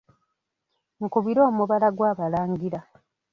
Nkubira omubala gw'Abalangira.